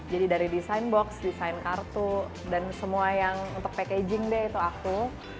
jadi dari desain box desain kartu dan semua yang untuk packaging deh itu aku